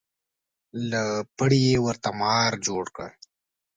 له پړي یې ورته مار جوړ کړ.